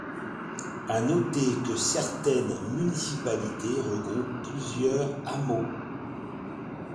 À noter que certaines municipalités regroupent plusieurs hameaux.